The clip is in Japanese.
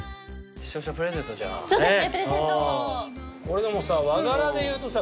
視聴者プレゼントです。